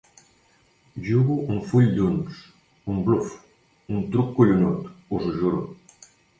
Jugo un full d'uns, un bluf; un truc collonut, us ho juro.